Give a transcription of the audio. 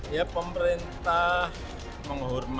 ya pemerintah menghormati putusan mk yang final dan mengikat